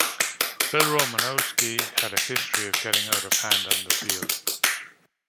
Bill Romanowski had a history of getting out of hand on the field.